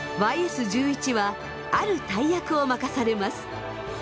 ＹＳー１１はある大役を任されます。